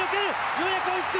ようやく追いつく！